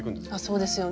そうですよね。